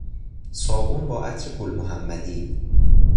صابون با عطر گل محمدی